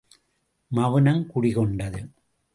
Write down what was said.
மவுனம் குடி கொண்டது.